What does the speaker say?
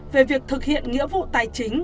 về việc thực hiện nghĩa vụ tài chính